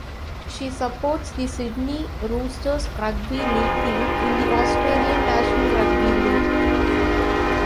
She supports the Sydney Roosters rugby league team in the Australian National Rugby League.